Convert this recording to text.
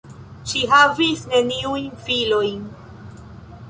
Ŝi havis neniujn filojn.